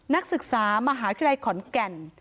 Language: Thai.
นักศึกษามหาวิทยาลัยขอนแก่น